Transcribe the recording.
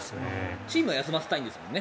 チームは休ませたいんですもんね。